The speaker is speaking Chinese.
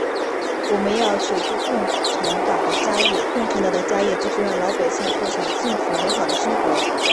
我们要守住共产党的家业，共产党的家业就是让老百姓过上幸福美好的生活。